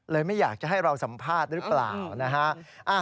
ไม่อยากจะให้เราสัมภาษณ์หรือเปล่านะฮะ